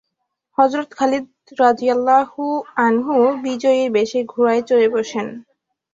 হযরত খালিদ রাযিয়াল্লাহু আনহু বিজয়ীর বেশে ঘোড়ায় চড়ে বসেন।